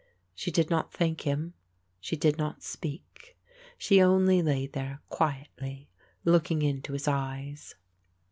She did not thank him; she did not speak; she only lay there quietly looking into his eyes.